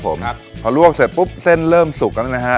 ผมครับพอลวกเสร็จปุ๊บเส้นเริ่มสุกแล้วนะฮะ